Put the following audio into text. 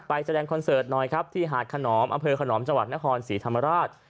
แสดงคอนเสิร์ตหน่อยครับที่หาดขนอมอำเภอขนอมจังหวัดนครศรีธรรมราช